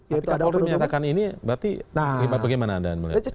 tapi kapolri menyatakan ini berarti bagaimana adanya